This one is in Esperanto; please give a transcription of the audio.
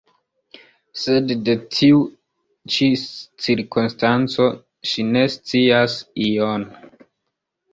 Sed de tiu ĉi cirkonstanco ŝi ne scias ion.